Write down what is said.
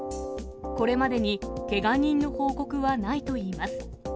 これまでに、けが人の報告はないといいます。